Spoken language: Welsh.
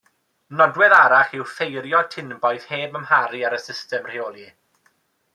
Nodwedd arall yw ffeirio tinboeth heb amharu ar y system reoli.